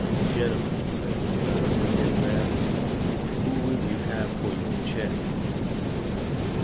"Gentlemen," says the feller who had rapped, "who will you have for your chairman?"